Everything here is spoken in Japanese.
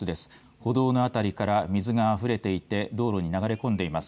歩道の辺りから水があふれていて道路に流れ込んでいます。